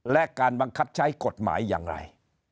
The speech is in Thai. และการบังคับใช้กฎหมายอย่างไร